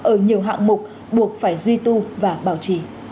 ở nhiều hạng mục buộc phải duy tu và bảo trì